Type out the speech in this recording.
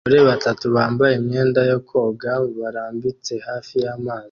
Abagore batatu bambaye imyenda yo koga barambitse hafi y'amazi